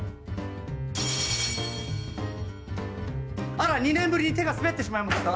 あら２年ぶりに手が滑ってしまいました。